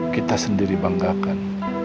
kita sendiri banggakan